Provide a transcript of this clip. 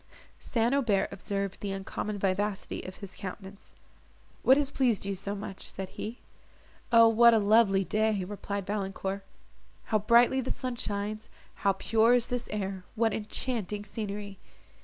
St. Aubert observed the uncommon vivacity of his countenance: "What has pleased you so much?" said he. "O what a lovely day," replied Valancourt, "how brightly the sun shines, how pure is this air, what enchanting scenery!"